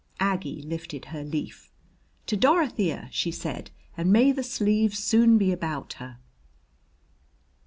Aggie lifted her leaf. "To Dorothea!" she said. "And may the sleeve soon be about her."